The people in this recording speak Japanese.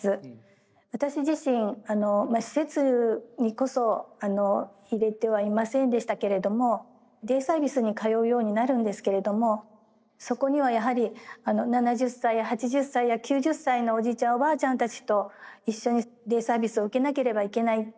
私自身施設にこそ入れてはいませんでしたけれどもデイサービスに通うようになるんですけれどもそこにはやはり７０歳や８０歳や９０歳のおじいちゃんおばあちゃんたちと一緒にデイサービスを受けなければいけない。